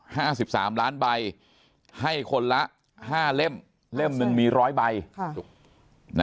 ห้าสิบสามล้านใบให้คนละห้าเล่มเล่มหนึ่งมีร้อยใบค่ะนะ